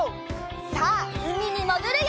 さあうみにもぐるよ！